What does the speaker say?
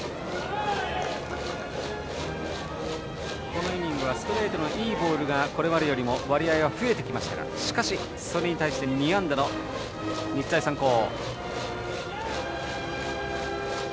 このイニングはストレートの、いいボールがこれまでよりも割合は増えてきましたがしかし、それに対して２安打の日大三高。